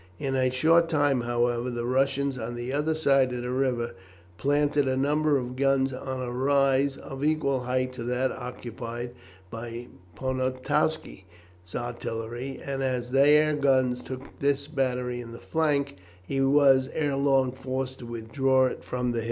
In a short time, however, the Russians on the other side of the river planted a number of guns on a rise of equal height to that occupied by Poniatowski's artillery, and as their guns took his battery in flank, he was ere long forced to withdraw it from the hill.